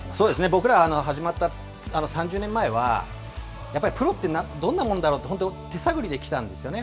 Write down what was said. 僕ら、始まった３０年前は、やっぱりプロって、どんなものだろうって、本当、手探りできたんですよね。